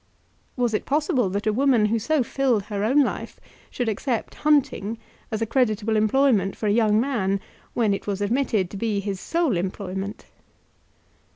Was it possible that a woman who so filled her own life should accept hunting as a creditable employment for a young man, when it was admitted to be his sole employment?